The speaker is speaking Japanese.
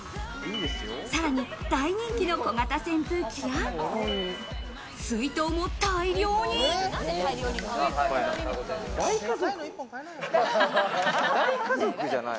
さらに大人気の小型扇風機や、水筒も大大家族？